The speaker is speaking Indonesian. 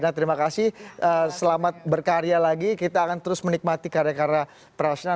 nah terima kasih selamat berkarya lagi kita akan terus menikmati karya karya prasna